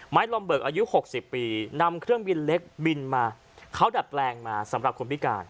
ลมเบิกอายุหกสิบปีนำเครื่องบินเล็กบินมาเขาดัดแปลงมาสำหรับคนพิการ